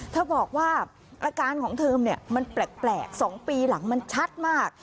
เธอบอกว่าอาการของเธอเนี่ยมันแปลก๒ปีหลังมันชัดมาก